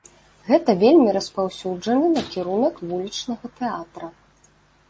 Гэта вельмі распаўсюджаны накірунак вулічнага тэатра.